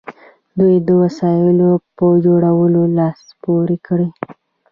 دوی د وسایلو په جوړولو لاس پورې کړ.